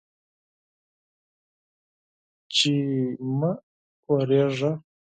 چې مه اوریږه